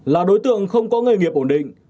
là đối tượng không có nghề nghiệp ổn định